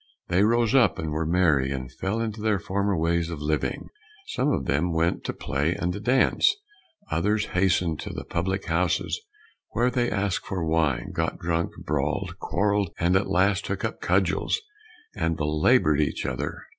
They rose up and were merry, and fell into their former ways of living. Some of them went to the play and to dance, others hastened to the public houses, where they asked for wine, got drunk, brawled, quarreled, and at last took up cudgels, and belabored each other.